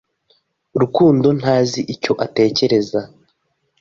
Rukundo ntazi icyo atekereza.